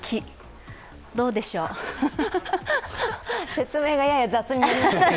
説明がやや雑になりましたね。